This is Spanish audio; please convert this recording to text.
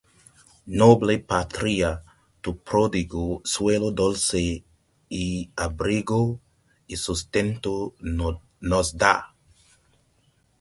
Noble patria tu pródigo suelo dulce abrigo y sustento nos da